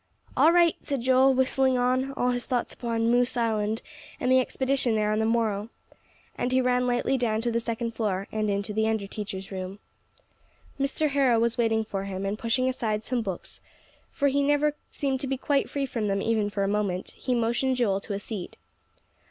"All right," said Joel, whistling on; all his thoughts upon "Moose Island" and the expedition there on the morrow. And he ran lightly down to the second floor, and into the under teacher's room. Mr. Harrow was waiting for him; and pushing aside some books, for he never seemed to be quite free from them even for a moment, he motioned Joel to a seat.